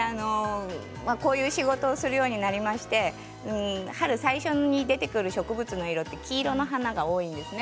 こういう仕事をするようになりまして春、最初に出てくる植物の色って黄色の花が多いんですね。